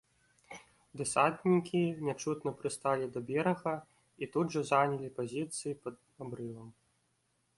Дэсантнікі нячутна прысталі да берага і тут жа занялі пазіцыі пад абрывам.